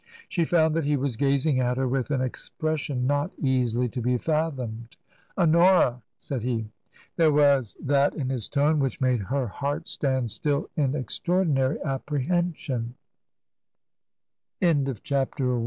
She found that he was gazing at her with an expres sion not easily to be fathomed. " Honora !*' said he. There was that in his tone which made her heart stand still in extraordinary app